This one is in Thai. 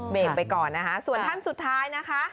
เบรกไปก่อนนะคะส่วนท่านสุดท้ายนะคะ